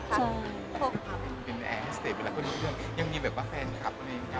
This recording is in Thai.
พบครับใช่พบครับ